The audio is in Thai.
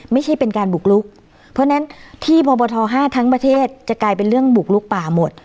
ไม่ใช่เป็นการบุกลุกเพราะฉะนั้นที่พบท๕ทั้งประเทศจะกลายเป็นเรื่องบุกลุกป่าหมด